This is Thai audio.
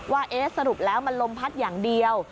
ว่าสรุปแล้วมันลมพัดอย่างเดียว